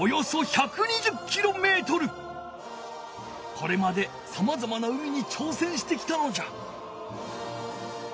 これまでさまざまな海に挑戦してきたのじゃ。